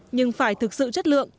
nhưng phải thực sự chất lượng